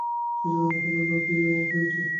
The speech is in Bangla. সেজন্যে আপনাদের অপ্রিয়ও হয়েছি।